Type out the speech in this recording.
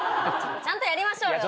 ちゃんとやりましょうよ。